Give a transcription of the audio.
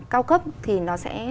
cao cấp thì nó sẽ